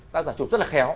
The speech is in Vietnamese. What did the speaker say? ta đã chụp rất là khéo